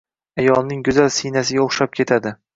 Ayolning go‘zal siynasiga o‘xshab ketadi.